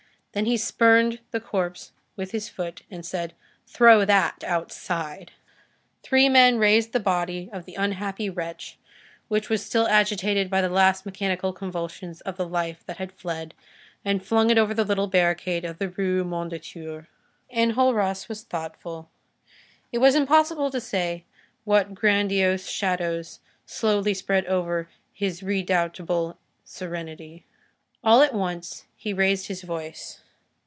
Then he spurned the corpse with his foot and said:— "Throw that outside." Three men raised the body of the unhappy wretch, which was still agitated by the last mechanical convulsions of the life that had fled, and flung it over the little barricade into the Rue Mondétour. Enjolras was thoughtful. It is impossible to say what grandiose shadows slowly spread over his redoubtable serenity. All at once he raised his voice.